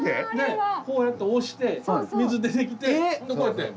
こうやって押して水出てきてこうやって。